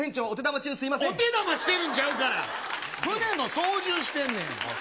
お手玉してるんちゃうから、船の操縦してんねん。